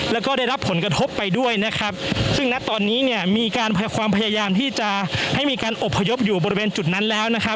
แล้วก็ได้รับผลกระทบไปด้วยนะครับซึ่งณตอนนี้เนี่ยมีการพยายามความพยายามที่จะให้มีการอบพยพอยู่บริเวณจุดนั้นแล้วนะครับ